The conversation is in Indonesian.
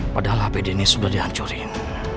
padahal hp dennis sudah dihancurin